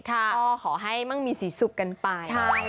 ก็ขอให้มั่งมีสีสุขกันไป